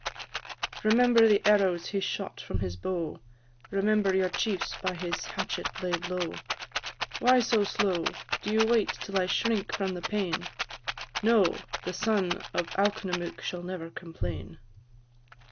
Remember the arrows he shot from his bow; Remember your chiefs by his hatchet laid low. Why so slow? Do you wait till I shrink from the pain? No! the son of Alknomook shall never complain.